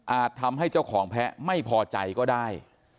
ทำให้เจ้าของแพ้ไม่พอใจก็ได้